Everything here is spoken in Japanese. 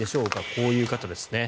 こういう方です。